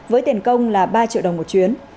với tiền công là ba triệu đồng một chuyến